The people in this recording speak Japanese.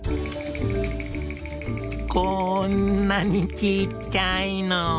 こーんなにちっちゃいの。